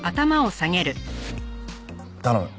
頼む。